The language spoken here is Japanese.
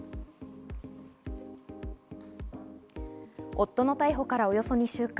夫の逮捕からおよそ２週間。